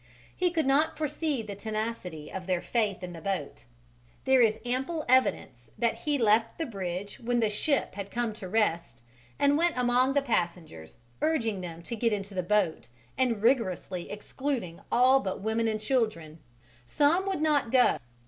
He could not foresee the tenacity of their faith in the boat: there is ample evidence that he left the bridge when the ship had come to rest and went among passengers urging them to get into the boat and rigorously excluding all but women and children. Some would not go.